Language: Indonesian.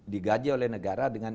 digaji oleh negara dengan